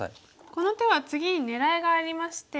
この手は次に狙いがありまして。